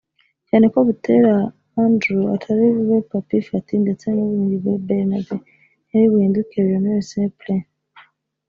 cyane ko Butera Andreew atari bube Papy Faty ndetse Mubumbyi Bernabin ntiyari buhindukemo Lionel Saint Preux